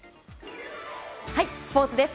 スポーツです。